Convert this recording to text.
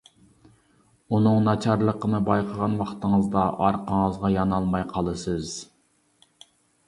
ئۇنىڭ ناچارلىقىنى بايقىغان ۋاقتىڭىزدا ئارقىڭىزغا يانالماي قالىسىز.